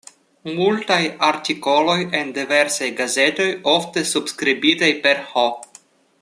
Multaj artikoloj en diversaj gazetoj, ofte subskribitaj per "H.